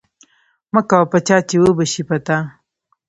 مکوه په چا چې وبه شي په تا.